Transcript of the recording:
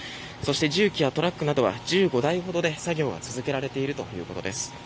重機やトラックなどは１５台ほどで作業が続けられているということです。